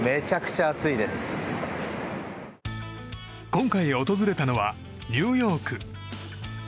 今回訪れたのはニューヨーク。